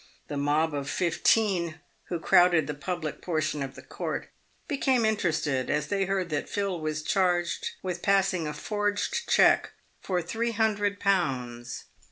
The mob of fifteen who crowded the public portion of the court became interested as they heard that Phil was charged with passing a forged cheque for three hundred pounds.